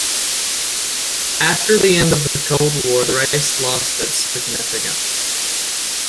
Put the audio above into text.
After the end of the Cold War the race lost its significance.